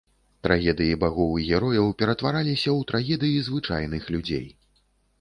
Трагедыі багоў і герояў ператвараліся ў трагедыі звычайных людзей.